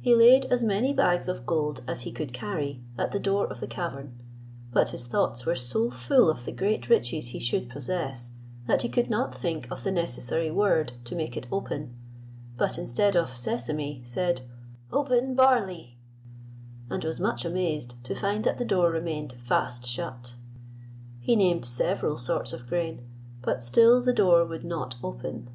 He laid as many bags of gold as he could carry at the door of the cavern, but his thoughts were so full of the great riches he should possess, that he could not think of the necessary word to make it open, but instead of Sesame, said "Open, Barley," and was much amazed to find that the door remained fast shut. He named several sorts of grain, but still the door would not open.